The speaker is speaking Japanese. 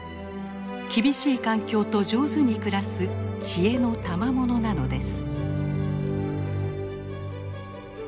厳しい環境と上手に暮らす知恵のたまものなのです。